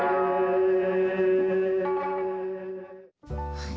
はい。